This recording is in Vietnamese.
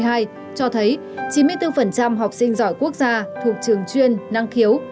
chín mươi bốn học sinh giỏi quốc gia thuộc trường chuyên năng khiếu